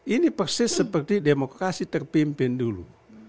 ini persis seperti demokrasi terpimpin dulu